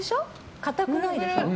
固くないでしょ？